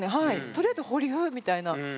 とりあえず保留みたいな。